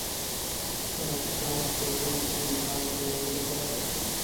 دغسې چانس په ژوند کې انسان ته یو ځل برابرېږي.